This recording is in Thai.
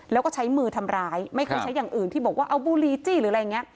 แล้วก็ใช้มือทำร้ายไม่เคยใช้อย่างอื่นที่บอกว่าเอาบูรีจี้หรืออะไรอย่างนี้